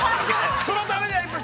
◆そのために。